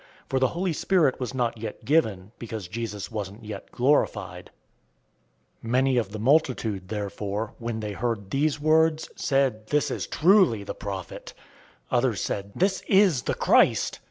For the Holy Spirit was not yet given, because Jesus wasn't yet glorified. 007:040 Many of the multitude therefore, when they heard these words, said, "This is truly the prophet." 007:041 Others said, "This is the Christ."